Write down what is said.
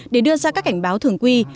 để đưa ra các cảnh báo thường quy